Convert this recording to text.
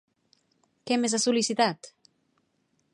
Què més ha sol·licitat?